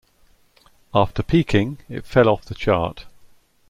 After peaking, it fell off the chart.